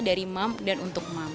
dari mom dan untuk mom